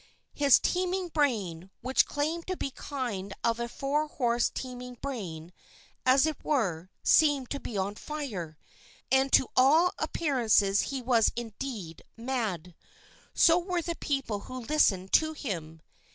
His teeming brain, which claimed to be kind of a four horse teaming brain, as it were, seemed to be on fire, and to all appearances he was indeed mad. So were the people who listened to him.